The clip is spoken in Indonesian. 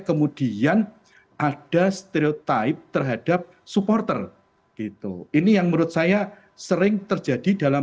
kemudian ada stereotype terhadap supporter gitu ini yang menurut saya sering terjadi dalam